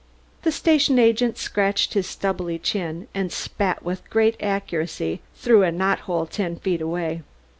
The station agent scratched his stubbly chin, and spat with great accuracy through a knot hole ten feet away.